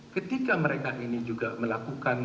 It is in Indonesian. ketika mereka ini juga melakukan